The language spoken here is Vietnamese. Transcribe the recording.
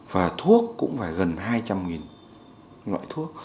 và thuốc cũng phải gần hai trăm linh loại thuốc